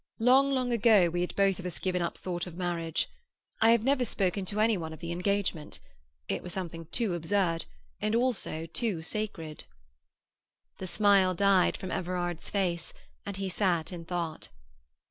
Long, long ago we had both of us given up thought of marriage. I have never spoken to any one of the engagement; it was something too absurd, and also too sacred." The smile died from Everard's face, and he sat in thought.